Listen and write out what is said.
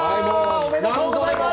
おめでとうございます！